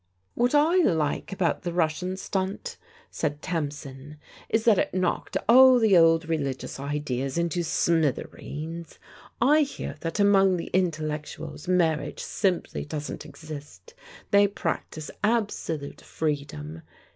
" What I like about the Russian stunt,' said Tamsin, " is that it knocked all the old religious ideas into smith ereens. I hear that among the intellectuals marriage simply doesn't exist : they practise absolute freedom.